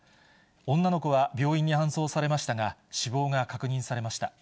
女の子は病院に搬送されましたが、死亡が確認されました。